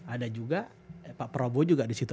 ada juga pak prabowo juga disitu